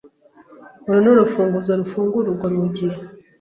Uru nurufunguzo rufungura urwo rugi.